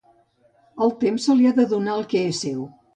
Al temps se li ha de donar el que és seu.